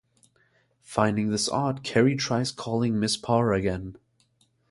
Finding this odd, Kari tries calling Mrs. Parr again.